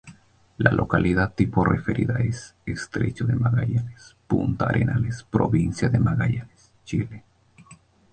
La localidad tipo referida es: Estrecho de Magallanes, Punta Arenas, Provincia de Magallanes, Chile.